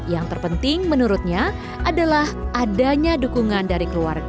yang terpenting menurutnya adalah adanya dukungan dari keluarga